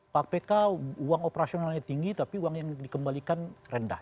kpk uang operasionalnya tinggi tapi uang yang dikembalikan rendah